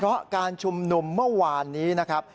เพราะการชุมนุมเมื่อวานนี้นะครับ